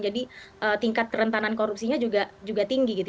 jadi tingkat kerentanan korupsinya juga tinggi gitu